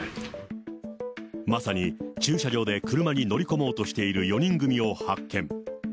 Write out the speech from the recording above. まさに駐車場で車に乗り込もうとしている４人組を発見。